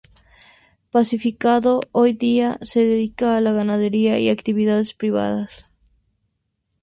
Pacificado, hoy día se dedica a la ganadería y actividades privadas.